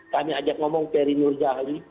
kami ajak ngomong ferry nurjahli